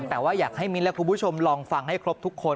แต่ว่าอยากให้มิ้นและคุณผู้ชมลองฟังให้ครบทุกคน